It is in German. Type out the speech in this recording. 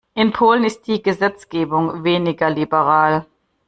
In Polen ist die Gesetzgebung weniger liberal.